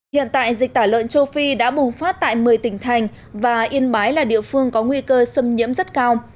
hiện tại dịch tả lợn châu phi đã bùng phát tại một mươi tỉnh thành và yên bái là địa phương có nguy cơ xâm nhiễm rất cao